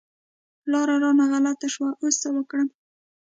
لاره رانه غلطه شوه، اوس څه وکړم؟